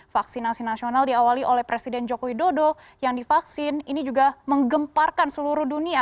vaksinasi nasional diawali oleh presiden joko widodo yang divaksin ini juga menggemparkan seluruh dunia